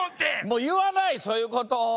もういわないそういうことを。